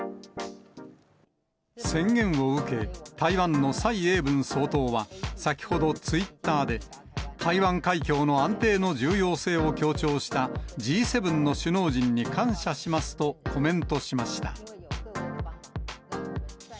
宣言を受け、台湾の蔡英文総統は、先ほど、ツイッターで、台湾海峡の安定の重要性を強調したＧ７の首脳陣に感謝しますとコメントしました。